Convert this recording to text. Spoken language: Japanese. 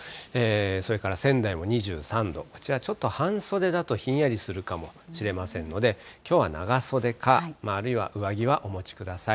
それから仙台も２３度、こちらちょっと、半袖だとひんやりするかもしれませんので、きょうは長袖か、あるいは上着はお持ちください。